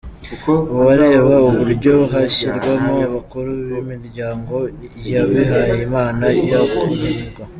Uwareba uburyo hashyirwaho abakuru b’imiryango y’abihayimana yakumirwa.